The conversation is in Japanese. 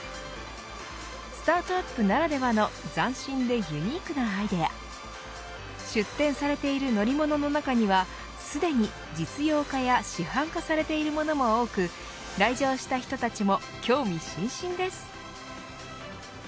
スタートアップならではの斬新でユニークなアイデア出展されている乗り物の中にはすでに実用化や市販化されているものも多く来場した人たちも興味津々です。